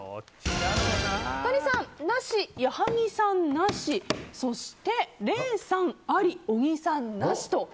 都仁さん、なし矢作さん、なしそして、礼さん、あり小木さん、なしと。